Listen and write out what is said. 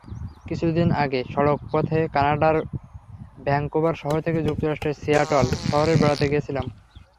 কিছুদিন আগে সড়ক পথে কানাডার ভ্যাংকুভার শহর থেকে যুক্তরাষ্ট্রের সিয়াটল শহরে বেড়াতে গিয়েছিলাম।